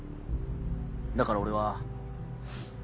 だから俺は。